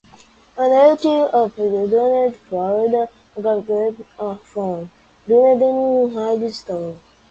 A native of Dunedin, Florida, graduated from Dunedin High School.